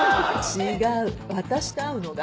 違う私と会うのが。